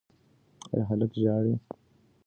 ایا هلک ژاړي؟